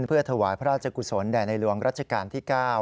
เพื่อถวายพระราชกุศลแด่ในหลวงรัชกาลที่๙